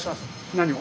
何を？